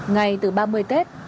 ngày từ ba mươi tết